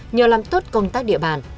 nhờ làm tốt công tác địa bàn